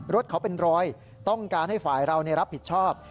รถเขาเป็นรอยต้องการให้ฝ่ายเรารับผิดชอบ